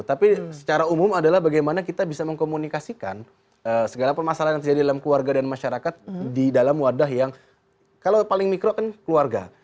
tapi secara umum adalah bagaimana kita bisa mengkomunikasikan segala permasalahan yang terjadi dalam keluarga dan masyarakat di dalam wadah yang kalau paling mikro kan keluarga